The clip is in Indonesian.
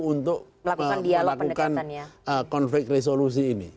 untuk melakukan konflik resolusi ini